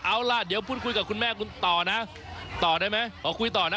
เอาล่ะเดี๋ยวพูดคุยกับคุณแม่คุณต่อนะต่อได้ไหมขอคุยต่อนะ